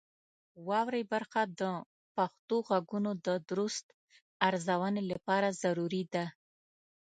واورئ برخه د پښتو غږونو د درست ارزونې لپاره ضروري ده.